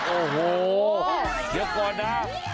โอ้โหเดี๋ยวก่อนนะ